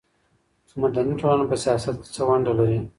مدني ټولنه په سياست کي څه ونډه لري؟